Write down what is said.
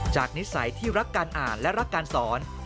นิสัยที่รักการอ่านและรักการสอน